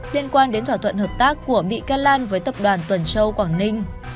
liên quan đến thỏa thuận hợp tác của bị can lan với tập đoàn tuần châu quảng ninh